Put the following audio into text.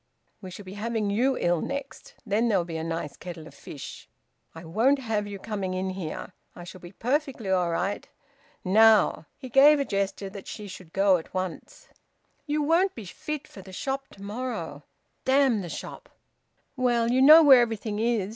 We shall be having you ill next, and then there'll be a nice kettle of fish. I won't have you coming in here. I shall be perfectly all right. Now!" He gave a gesture that she should go at once. "You won't be fit for the shop to morrow." "Damn the shop!" "Well, you know where everything is."